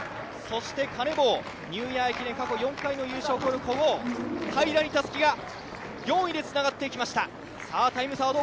カネボウ、ニューイヤー駅伝の優勝を誇る古豪平にたすきが、４位でつながっていきました。